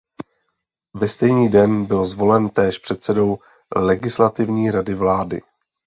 Ve stejný den byl zvolen též předsedou Legislativní rady vlády.